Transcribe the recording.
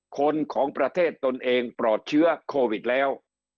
คนของประเทศตนเองปลอดเชื้อโควิดแล้ว